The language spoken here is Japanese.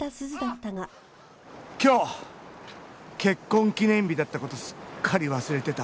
今日結婚記念日だった事すっかり忘れてた。